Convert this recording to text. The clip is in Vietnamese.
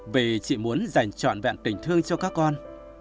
về chị muốn dành trọn vẹn tình thương cho các con